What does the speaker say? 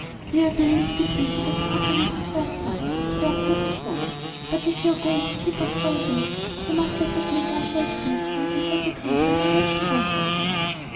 "We are willing to be treated as company this first night," observed Mrs. Hope; "but if you are going to keep us a week, you must let us make ourselves useful, and set the table and arrange the rooms for you."